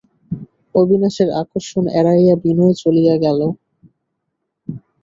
অবিনাশের আকর্ষণ এড়াইয়া বিনয় চলিয়া গেল।